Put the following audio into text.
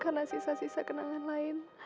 karena sisa sisa kenangan lain